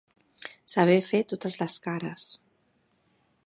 Saber fer totes les cares.